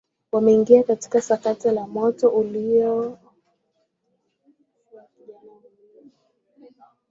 wameingia katika sakata la moto ule aliouwasha kijana huyo